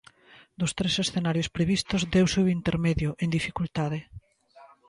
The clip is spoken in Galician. Dos tres escenarios previstos deuse o intermedio, en dificultade.